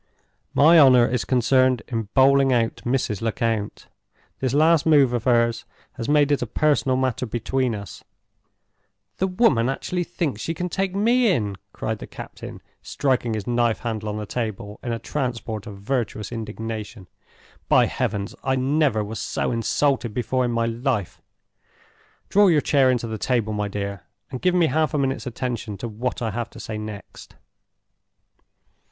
My honor is concerned in bowling out Mrs. Lecount. This last move of hers has made it a personal matter between us. The woman actually thinks she can take me in!!!" cried the captain, striking his knife handle on the table in a transport of virtuous indignation. "By heavens, I never was so insulted before in my life! Draw your chair in to the table, my dear, and give me half a minute's attention to what I have to say next."